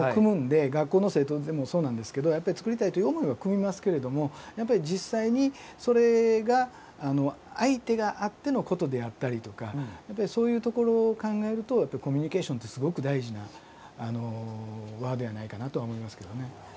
学校の生徒でもそうなんですけどやっぱり作りたいという思いはくみますけれども実際にそれが相手があってのことであったりとかやっぱりそういうところを考えるとコミュニケーションってすごく大事なワードやないかなとは思いますけどね。